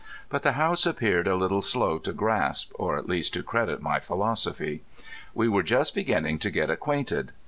But the Haughts appeared a little slow to grasp, or at least to credit my philosophy. We were just beginning to get acquainted.